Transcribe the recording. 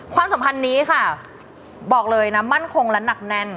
สัมพันธ์นี้ค่ะบอกเลยนะมั่นคงและหนักแน่น